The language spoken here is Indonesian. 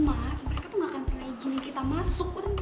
mereka tuh gak akan pilih izin kita masuk